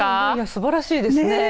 すばらしいですね。